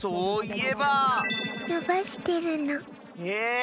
え？